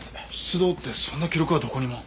出動ってそんな記録はどこにも。